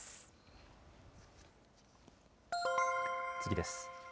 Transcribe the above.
次です。